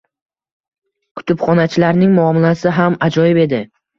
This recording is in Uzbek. Kutubxonachilarning muomalasi ham ajoyib edi.